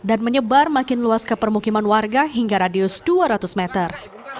dan menyebar makin luas ke permukiman warga hingga radius dua ratus meter